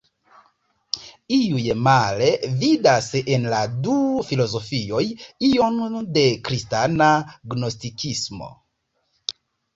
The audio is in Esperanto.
Iuj, male, vidas en la du filozofioj ion de kristana gnostikismo.